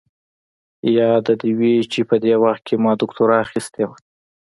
ياده دې وي چې په دې وخت کې ما دوکتورا اخيستې وه.